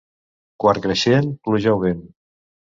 Quart creixent, pluja o vent.